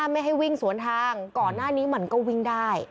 ไม่ให้วิ่งสวนทางก่อนหน้านี้มันก็วิ่งได้